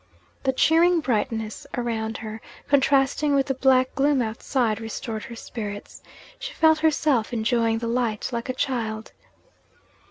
The cheering brightness round her, contrasting with the black gloom outside, restored her spirits. She felt herself enjoying the light like a child!